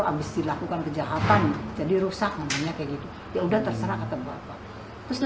habis dilakukan kejahatan jadi rusak makanya kayak gitu ya udah terserah kata bapak terus